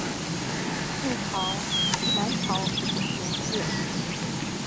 晋朝南朝沿置。